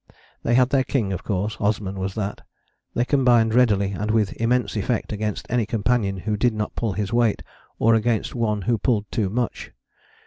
They had their king, of course: Osman was that. They combined readily and with immense effect against any companion who did not pull his weight, or against one who pulled too much.